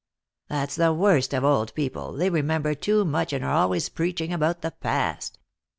" That's the worst of old people, they remember too much, and are always preaching about the past.